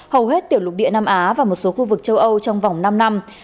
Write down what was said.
hầu hết tiểu lục địa nam á và một số khu vực châu âu trong vòng năm năm